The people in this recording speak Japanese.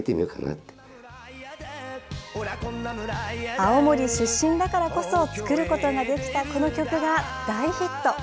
青森出身だからこそ作ることができたこの曲が大ヒット。